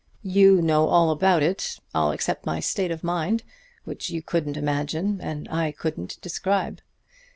You know all about it all except my state of mind, which you couldn't imagine, and I couldn't describe.